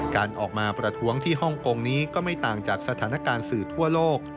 การออกมาประท้วงที่ฮ่องกงนี้ก็ไม่ต่างจากสถานการณ์สื่อทั่วโลก